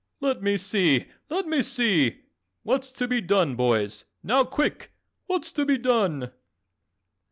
"Let me see! Let me see! What's to be done, boys? Now quick! What's to be done?"